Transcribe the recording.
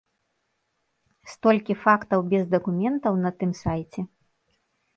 Столькі фактаў без дакументаў на тым сайце.